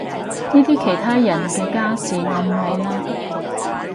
呢啲其他人嘅家事我唔理啦